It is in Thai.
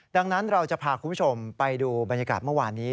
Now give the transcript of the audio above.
ดังนั้นเราจะพาคุณผู้ชมไปดูบรรยากาศเมื่อวานนี้